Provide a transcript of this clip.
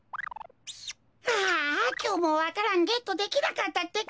ああきょうもわか蘭ゲットできなかったってか。